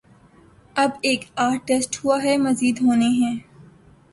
اب ایک آدھ ٹیسٹ ہوا ہے، مزید ہونے ہیں۔